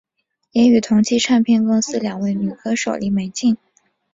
也与同期唱片公司两位女歌手许美静和李翊君誉为上华三大销售天后。